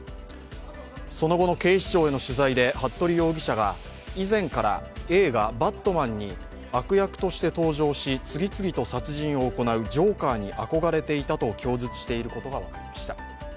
その後の警視庁への取材で服部容疑者が以前から映画「バットマン」に悪役として登場し次々と殺人を行うジョーカーに憧れていたと供述していることが分かりました。